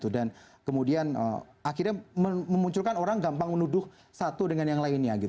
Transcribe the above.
dan kemudian akhirnya memunculkan orang gampang menuduh satu dengan yang lainnya